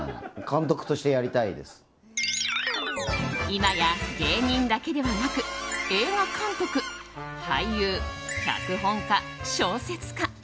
今や芸人だけではなく映画監督、俳優、脚本家、小説家。